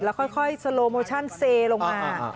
แล้วค่อยสโลโมชั่นเซลงมา